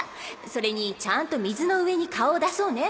それにちゃんと水の上に顔を出そうね。